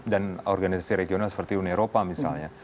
organisasi regional seperti uni eropa misalnya